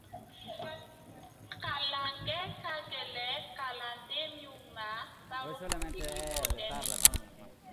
- Kalangwɛ ka gwɛlɛn kalanden minw ma, barokuntigi b'o dɛmɛ ;